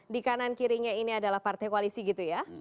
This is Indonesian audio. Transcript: di kanan kirinya ini adalah partai koalisi gitu ya